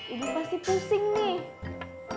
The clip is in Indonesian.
udah pasti pusing nih